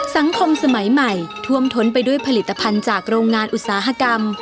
สมัยใหม่ท่วมท้นไปด้วยผลิตภัณฑ์จากโรงงานอุตสาหกรรม